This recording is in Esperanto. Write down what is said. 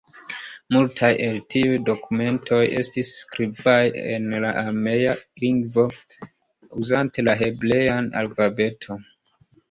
Multaj el tiuj dokumentoj estis skribaj en la aramea lingvo uzante la hebrean alfabeton.